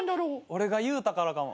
俺が言うたからかも。